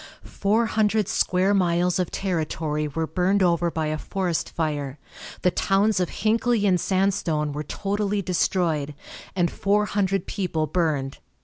Four hundred square miles of territory were burned over by a forest fire, the towns of Hinckley and Sandstone were totally destroyed, and four hundred people burned.